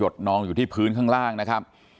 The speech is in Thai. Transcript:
นองอยู่ที่พื้นข้างล่างนะครับ